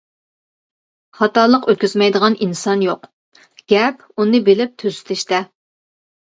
خاتالىق ئۆتكۈزمەيدىغان ئىنسان يوق، گەپ ئۇنى بىلىپ تۈزىتىشتە.